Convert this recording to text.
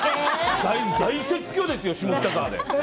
大説教ですよ、下北沢で。